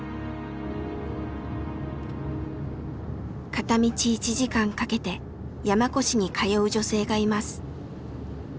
片道１時間かけて山古志に通う女性がいます。